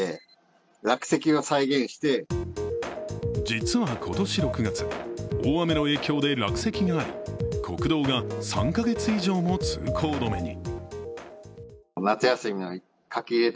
実は今年６月、大雨の影響で落石があり国道が３か月以上も通行止めに。